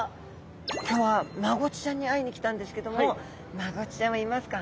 今日はマゴチちゃんに会いに来たんですけどもマゴチちゃんはいますか？